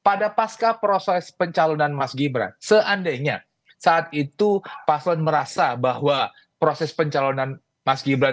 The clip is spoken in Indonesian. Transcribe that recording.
pada pasca proses pencalonan mas gibran seandainya saat itu paslon merasa bahwa proses pencalonan mas gibran